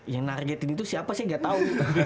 yang nagedin itu siapa sih gak tau